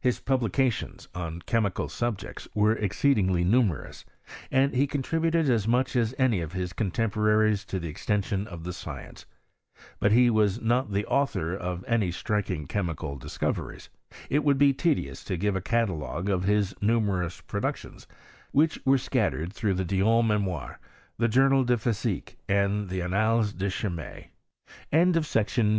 His publications on chemical subjects ' were exceedingly numerous, and he contributed ks much as any of his contemporaries to the extensioo of the science ; but as he was not the authoi of vaf PB06RKS8 OF CHEMlSinKY IN TRANCE. 189 striking chemical discoveries, it would be tedious to give a catalogue of his numerous productions which were scattered through the Dijon Memoirs, the Journal de Physique, and the Annales de Chimie. ? CHEstisTsr. CHAPTER IV.